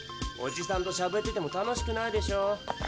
おじさんとしゃべってても楽しくないでしょ。